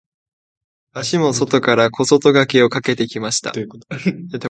足も外から小外掛けをかけてきました。